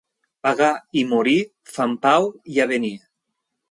Pagar i morir fan pau i avenir.